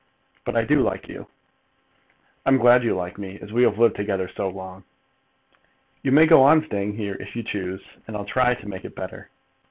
But I do like you." "I'm glad you like me, as we have lived together so long." "You may go on staying here, if you choose, and I'll try to make it better."